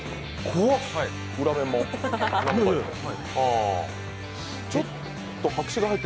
怖っ！！